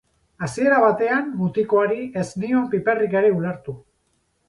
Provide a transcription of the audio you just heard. Hasiera batean mutikoari ez nion piparrik ere ulertu.